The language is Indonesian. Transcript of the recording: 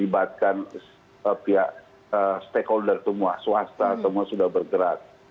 dibatkan pihak stakeholder semua swasta semua sudah bergerak